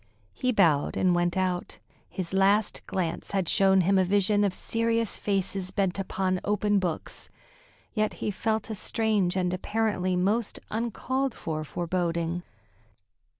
He bowed and went out. His last glance had shown him a vision of serious faces bent upon open books; yet he felt a strange and apparently most uncalled for foreboding.